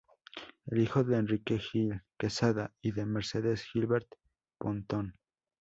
Es hijo de Enrique Gil Quezada y de Mercedes Gilbert Pontón.